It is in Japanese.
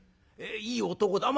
いい男だ。